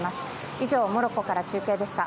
以上、モロッコから中継でした。